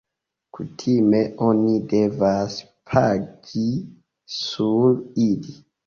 Kutime oni devas pagi sur ili.